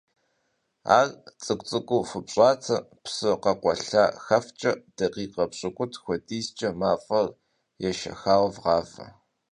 Ар цӀыкӀу-цӀыкӀуу фупщӀатэ, псы къэкъуалъэ щӀэфкӀэ, дакъикъэ пщыкӏутху хуэдизкӀэ мафӀэр ешэхауэ вгъавэ.